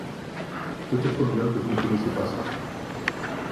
Peut-être bien que vous ne connaissez pas ça.